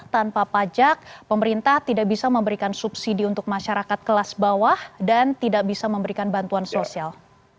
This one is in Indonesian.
tanpa pajak pemerintah tidak bisa memberikan subsidi untuk masyarakat kelas bawah dan tidak bisa memberikan bantuan sosial